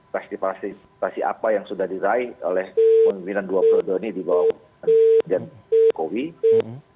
prestipalasi apa yang sudah diraih oleh pemerintahan dua ribu dua puluh ini di bawah covid sembilan belas